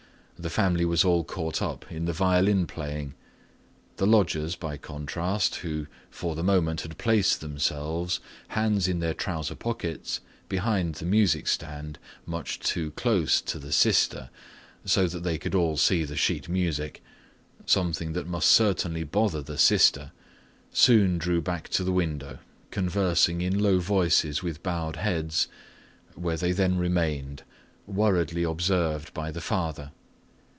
The family was all caught up in the violin playing. The lodgers, by contrast, who for the moment had placed themselves, hands in their trouser pockets, behind the music stand much too close to the sister, so that they could all see the sheet music, something that must certainly bother the sister, soon drew back to the window conversing in low voices with bowed heads, where they then remained, worriedly observed by the father.